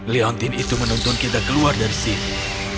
leontin itu menuntun kita keluar dari sini